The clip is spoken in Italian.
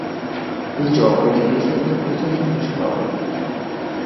Il gioco è diviso in capitoli principali.